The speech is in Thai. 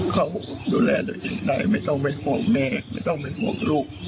เขาดูแลตัวเองได้ไม่ต้องเป็นห่วงแม่ไม่ต้องเป็นห่วงลูก